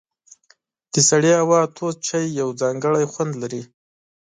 د سړې هوا تود چای یو ځانګړی خوند لري.